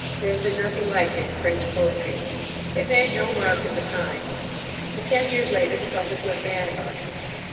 There has been nothing like it in French poetry. It made no mark at the time; but ten years later the public went mad about it.